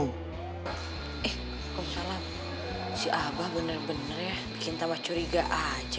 eh kok salah si abah bener bener ya bikin tambah curiga aja